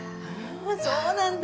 そうなんだ！